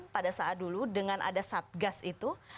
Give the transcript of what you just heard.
pada saat dulu dengan ada satgas itu